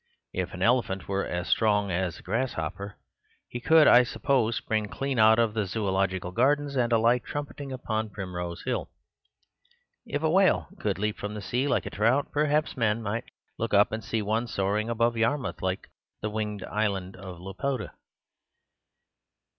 If an elephant were as strong as a grasshopper, he could (I suppose) spring clean out of the Zoological Gardens and alight trumpeting upon Primrose Hill. If a whale could leap from the sea like a trout, perhaps men might look up and see one soaring above Yarmouth like the winged island of Laputa.